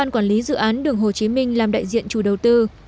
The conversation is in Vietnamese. quản lý dự án đường hồ chí minh làm đại diện chủ đầu tư